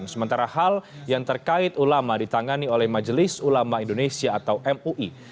sementara hal yang terkait ulama ditangani oleh majelis ulama indonesia atau mui